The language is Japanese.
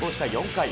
４回。